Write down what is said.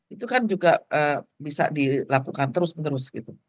itu kan juga bisa dilakukan terus menerus gitu